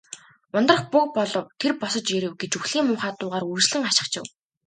"Ундрах буг болов. Тэр босож ирэв" гэж үхлийн муухай дуугаар үргэлжлэн хашхичив.